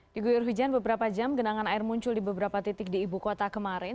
di guyur hujan beberapa jam genangan air muncul di beberapa titik di ibu kota kemarin